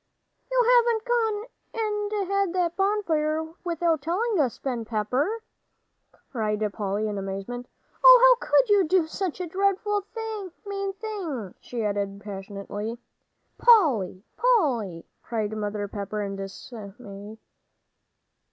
"You haven't gone and had that bonfire without telling us, Ben Pepper!" cried Polly, in amazement. "Oh, how could you do such a dreadful mean thing!" she added passionately. "Polly Polly!" cried Mother Pepper, in dismay.